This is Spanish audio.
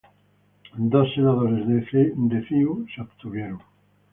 Dos senadores de CiU se abstuvieron.